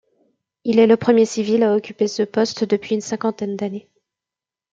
Il est le premier civil à occuper ce poste depuis une cinquantaine d'années.